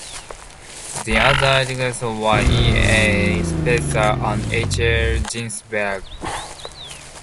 The other editors were E. A. Speiser and H. L. Ginsberg.